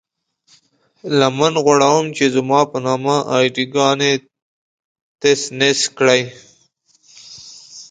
لمن غوړوم چې زما په نامه اې ډي ګانې تس نس کړئ.